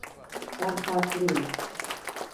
Ben farklıyım.